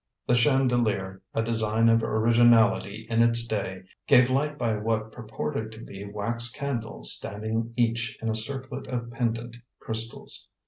The chandelier, a design of originality in its day, gave light by what purported to be wax candles standing each in a circlet of pendent crystals.